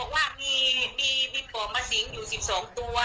เขาบอกว่ามีปอบมาสิงอยู่สิบสองตัว